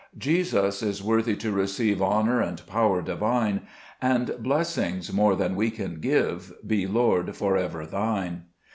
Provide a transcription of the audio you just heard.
3 Jesus is worthy to receive Honor and power Divine ; And blessings, more than we can give, Be, Lord, for ever Thine.